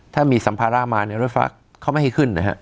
ถ้ามีสัมภาระมาเนี่ยรถฝากเขาไม่ให้ขึ้นนะฮะ